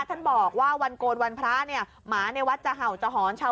ทางผู้ชมพอเห็นแบบนี้นะทางผู้ชมพอเห็นแบบนี้นะ